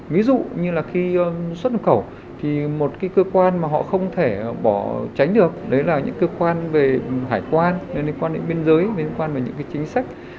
ví dụ như là khi xuất nhập khẩu thì một cơ quan mà họ không thể tránh được là những cơ quan về hải quan liên quan đến biên giới liên quan đến những chính sách